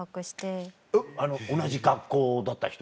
えっ同じ学校だった人？